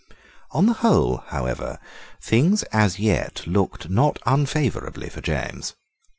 On the whole, however, things as yet looked not unfavourably for James.